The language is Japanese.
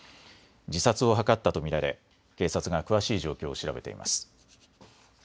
自殺を図ったと見られ警察が詳しい状況を調べています。